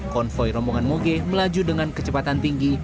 konvoy rombongan moge melaju dengan kecepatan tinggi